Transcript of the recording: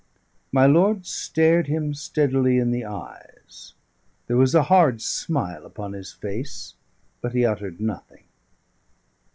My lord stared him steadily in the eyes; there was a hard smile upon his face, but he uttered nothing.